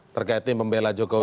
terkait tim pembela jokowi